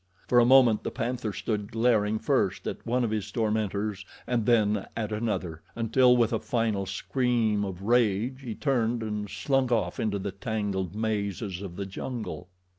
For a moment the panther stood glaring first at one of his tormentors and then at another, until, with a final scream of rage, he turned and slunk off into the tangled mazes of the jungle.